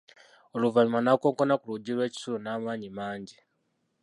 Oluvannyuma n'akonkona ku luggi lw'ekisulo n'amaanyi mangi.